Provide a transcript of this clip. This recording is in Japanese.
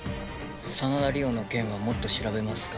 真田梨央の件はもっと調べますか？